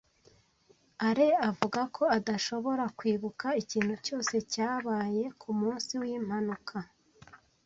Alain avuga ko adashobora kwibuka ikintu cyose cyabaye ku munsi w'impanuka.